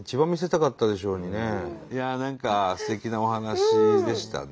いやあ何かすてきなお話でしたね。